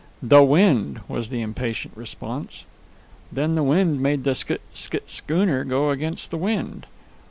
"The wind," was the impatient response. "Then the wind made the sch sch schooner go against the wind."